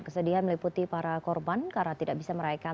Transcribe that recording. kesedihan meliputi para korban karena tidak bisa meraihkan